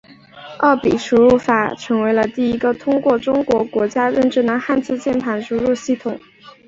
二笔输入法成为第一个通过中国国家认证的汉字键盘输入系统。